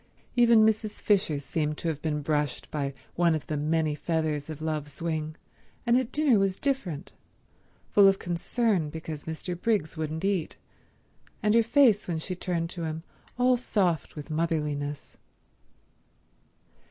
Even Mrs. Fisher seemed to have been brushed by one of the many feathers of Love's wing, and at dinner was different—full of concern because Mr. Briggs wouldn't eat, and her face when she turned to him all soft with motherliness.